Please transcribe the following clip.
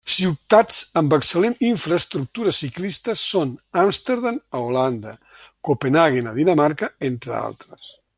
Ciutats amb excel·lent infraestructura ciclista són Amsterdam a Holanda, Copenhaguen a Dinamarca, entre altres.